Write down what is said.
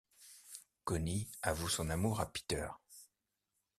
Conny avoue son amour à Peter.